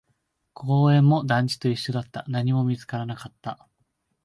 公園も団地と一緒だった、何も見つからなかった